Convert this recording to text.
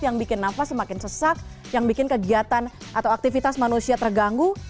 yang bikin nafas semakin sesak yang bikin kegiatan atau aktivitas manusia terganggu